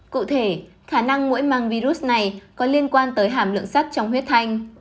cụ thể khả năng mũi mang virus này có liên quan tới hàm lượng sắt trong huyết thanh